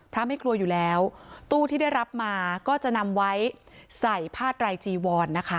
ไม่กลัวอยู่แล้วตู้ที่ได้รับมาก็จะนำไว้ใส่ผ้าไรจีวรนะคะ